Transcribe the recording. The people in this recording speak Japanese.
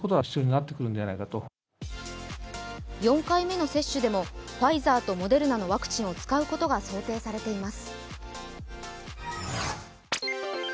４回目の接種でもファイザーとモデルナのワクチンを使うことが想定されています。